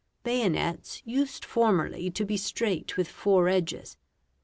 Bayonets used formerly to be straight with four edges.